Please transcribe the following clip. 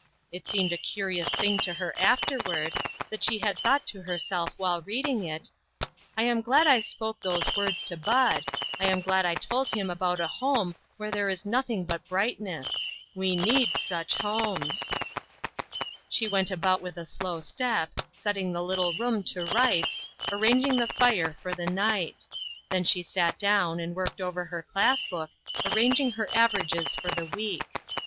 It seemed a cu rious thing to her afterward, that she had thought to herself while reading it : "I am glad I spoke those words to Bud ; I am glad I told him about a home where there is nothing but brightness. We need such homes." She went about with a slow step, setting the little room to rights, arranging the fire for the night; then she sat down and worked over her class book, arranging her averages for the week.